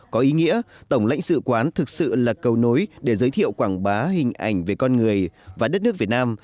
có ý nghĩa tổng lãnh sự quán thực sự là cầu nối để giới thiệu quảng bá hình ảnh về con người và đất nước việt nam